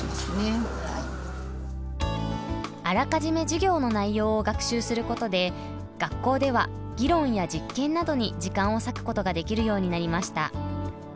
あらかじめ授業の内容を学習することで学校では議論や実験などに時間を割くことができるようになりました。